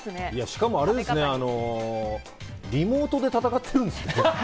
しかもリモートで戦ってるんですね。